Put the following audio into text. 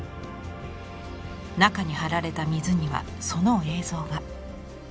中に張られた水にはその映像が。